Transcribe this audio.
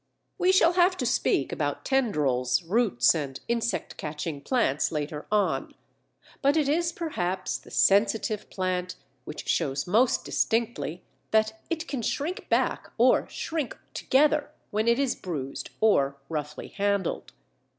We shall have to speak about tendrils, roots, and insect catching plants later on. But it is perhaps the Sensitive Plant which shows most distinctly that it can shrink back or shrink together when it is bruised or roughly handled.